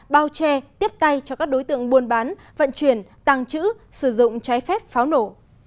bao che tiếp tay cho các đối tượng buôn bán vận chuyển tăng trữ sử dụng trái phép pháo nổ